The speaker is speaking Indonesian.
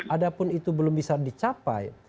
adapun itu belum bisa dicapai